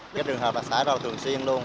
cái trường hợp là xảy vào thường xuyên luôn